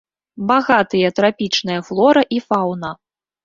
Багатыя трапічныя флора і фаўна.